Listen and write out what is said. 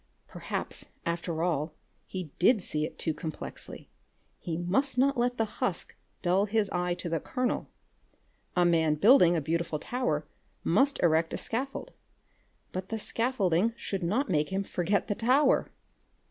Perhaps after all he did see it too complexly. He must not let the husk dull his eye to the kernel. A man building a beautiful tower must erect a scaffold. But the scaffolding should not make him forget the tower!